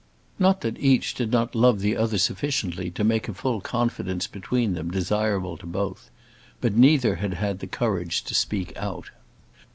Not that each did not love the other sufficiently to make a full confidence between them desirable to both; but neither had had the courage to speak out.